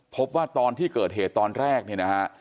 พบว่าตอนที่เกิดเหตุตอนแรกเนี่ยนะฮะ